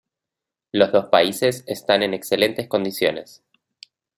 Los dos países están en excelentes condiciones.